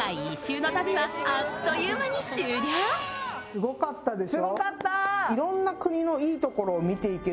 すごかったですよ。